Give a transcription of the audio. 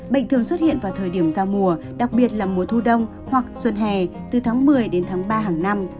bệnh thường xuất hiện vào thời điểm giao mùa đặc biệt là mùa thu đông hoặc xuân hè từ tháng một mươi đến tháng ba hàng năm